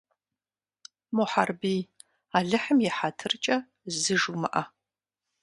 Мухьэрбий, Алыхьым и хьэтыркӀэ, зы жумыӀэ.